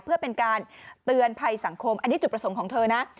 เพื่อเป็นการเตือนภัยสังคมอันนี้จุดประสงค์ของเธอนะ